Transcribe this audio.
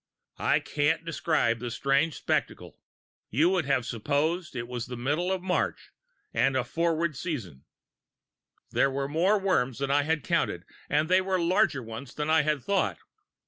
I can't describe the strange spectacle: you would have supposed it was the middle of March and a forward season! There were more worms than I had counted, and they were larger ones than I had thought.